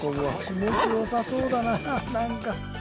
気持ち良さそうだななんか。